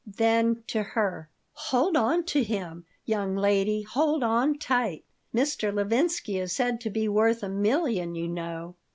Then to her: "Hold on to him, young lady. Hold on tight. Mr. Levinsky is said to be worth a million, you know."